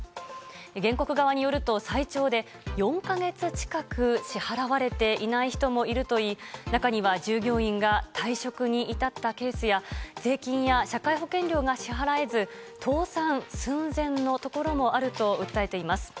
原告側によると最長で４か月近く支払われていない人もいるといい中には従業員が退職に至ったケースや税金や社会保険料が支払えず倒産寸前のところもあると訴えています。